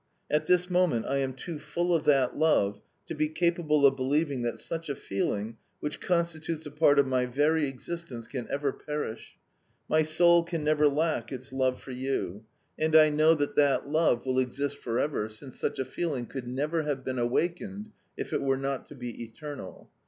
At this moment I am too full of that love to be capable of believing that such a feeling (which constitutes a part of my very existence) can ever, perish. My soul can never lack its love for you; and I know that that love will exist for ever, since such a feeling could never have been awakened if it were not to be eternal.